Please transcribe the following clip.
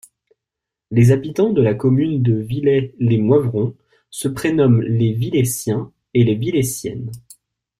Les habitants de la commune de Villers-Lès-Moivrons se prénomment les Villéciens et les Villéciennes.